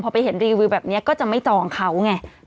พอไปเห็นรีวิวแบบนี้ก็จะไม่จองเขาไง